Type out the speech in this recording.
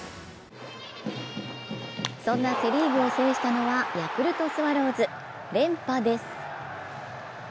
そんなセ・リーグを制したのはヤクルトスワローズ、連覇です。